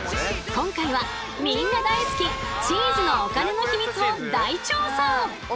今回はみんな大好きチーズのお金のヒミツを大調査！